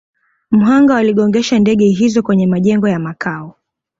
mhanga waligongesha ndege hizo kwenye majengo ya Makao